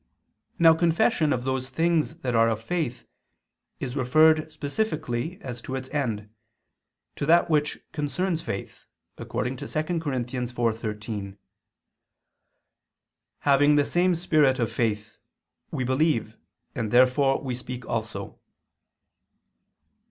Now confession of those things that are of faith is referred specifically as to its end, to that which concerns faith, according to 2 Cor. 4:13: "Having the same spirit of faith ... we believe, and therefore we speak also."